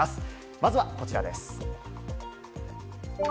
まずはこちらです。